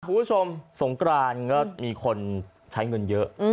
คุณผู้ชมสงกรานก็มีคนใช้เงินเยอะ